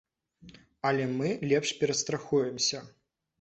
Але мы лепш перастрахуемся.